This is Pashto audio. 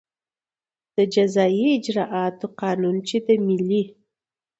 د جزایي اجراآتو قانون چې د ملي